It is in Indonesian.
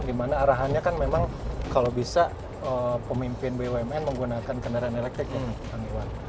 dimana arahannya kan memang kalau bisa pemimpin bumn menggunakan kendaraan elektrik yang angguran